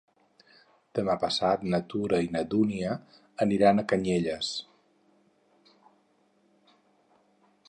Demà passat na Tura i na Dúnia aniran a Canyelles.